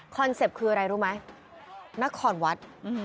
เป็ปต์คืออะไรรู้ไหมนครวัด